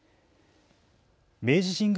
明治神宮